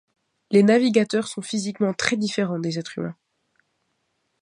Les Navigateurs sont physiquement très différents des êtres humains.